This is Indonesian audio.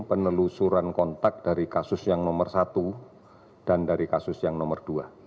penelusuran kontak dari kasus yang nomor satu dan dari kasus yang nomor dua